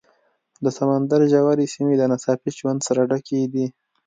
د سمندر ژورې سیمې د ناڅاپي ژوند سره ډکې دي.